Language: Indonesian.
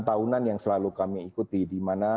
tahunan yang selalu kami ikuti di mana